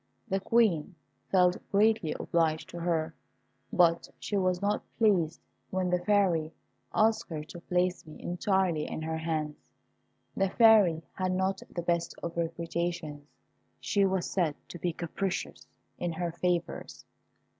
The Queen felt greatly obliged to her, but she was not pleased when the Fairy asked her to place me entirely in her hands. The Fairy had not the best of reputations she was said to be capricious in her favours.